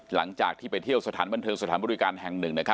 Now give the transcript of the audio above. หลังจากที่ไปเที่ยวสถานบริวาร์นสถานบริการแห่ง๑